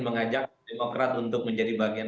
mengajak demokrat untuk menjadi bagian